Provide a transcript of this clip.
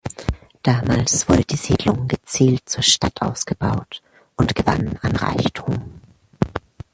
Damals wurde die Siedlung gezielt zur Stadt ausgebaut und gewann an Reichtum.